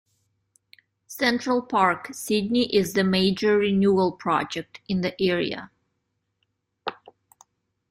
Central Park, Sydney is the major renewal project in the area.